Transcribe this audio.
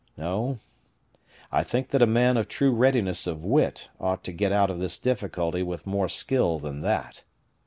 No, I think that a man of true readiness of wit ought to get out of this difficulty with more skill than that.